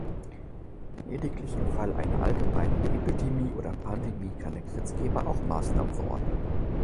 Lediglich im Falle einer allgemeinen Epidemie oder Pandemie kann der Gesetzgeber auch Maßnahmen verordnen.